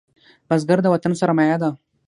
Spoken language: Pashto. بزګر د وطن سرمايه ده